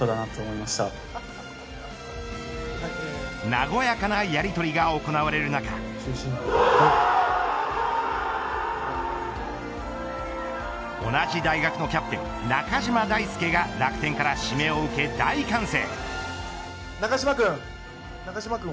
和やかなやりとりが行われる中同じ大学のキャプテン中島大輔が楽天から指名を受け大歓声。